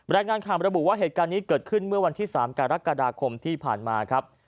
รายงานข่าวมาระบุว่าเหตุการณ์นี้เกิดขึ้นเมื่อวันที่๓กรกฎาคมที่ผ่านมาครับ